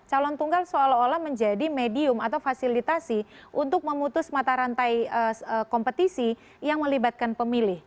calon tunggal seolah olah menjadi medium atau fasilitasi untuk memutus mata rantai kompetisi yang melibatkan pemilih